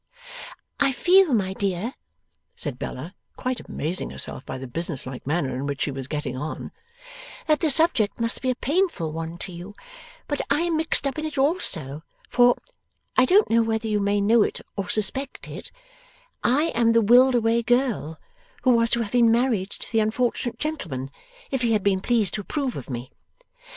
'I feel, my dear,' said Bella, quite amazing herself by the business like manner in which she was getting on, 'that the subject must be a painful one to you, but I am mixed up in it also; for I don't know whether you may know it or suspect it I am the willed away girl who was to have been married to the unfortunate gentleman, if he had been pleased to approve of me.